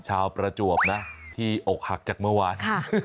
ประจวบนะที่อกหักจากเมื่อวาน